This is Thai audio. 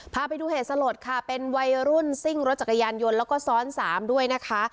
พาไปดูเหตุสลดค่ะเป็นวัยรุ่นซิ่งรถจักรยานยนต์แล้วก็ซ้อนสามด้วยนะคะ